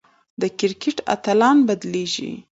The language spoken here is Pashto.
د کرکټ اتلان بدلېږي.